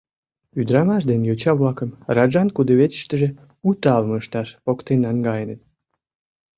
— Ӱдырамаш ден йоча-влакым раджан кудывечыштыже у тавым ышташ поктен наҥгаеныт.